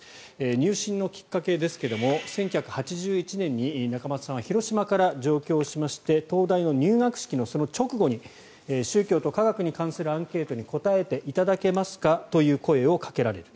入信のきっかけですが１９８１年に仲正さんは広島から上京しまして東大の入学式の直後に宗教と科学に関するアンケートに答えていただけますかという声をかけられる。